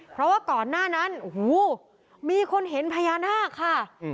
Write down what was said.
เพราะว่าก่อนหน้านั้นโอ้โหมีคนเห็นพญานาคค่ะ